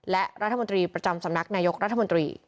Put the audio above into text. และรัฐมนตรีประจำสำนักนายกรัฐมนตรี